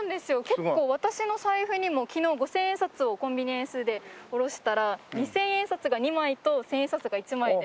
結構私の財布にも昨日５０００円札をコンビニエンスで下ろしたら２０００円札が２枚と１０００円札が１枚で出てきました。